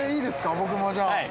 僕もじゃあ。